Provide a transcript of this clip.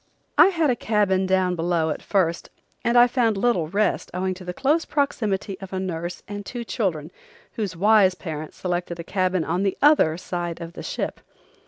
I had a cabin down below at first and I found little rest owing to the close proximity of a nurse and two children whose wise parents selected a cabin on the other side of the ship.